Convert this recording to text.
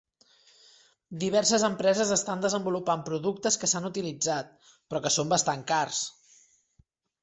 Diverses empreses estan desenvolupant productes que s'han utilitzat, però que són bastant cars.